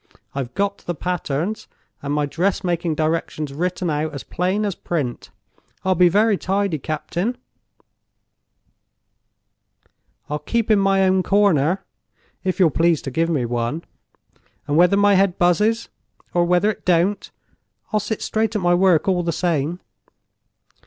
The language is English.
I've got my patterns, and my dress making directions written out as plain as print. I'll be very tidy, captain; I'll keep in my own corner, if you'll please to give me one; and whether my head Buzzes, or whether it don't, I'll sit straight at my work all the same."